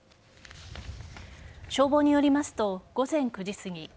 消防によりますと午前９時すぎ